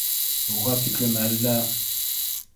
Уға тиклем әллә